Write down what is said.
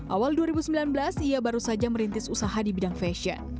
awal dua ribu sembilan belas ia baru saja merintis usaha di bidang fashion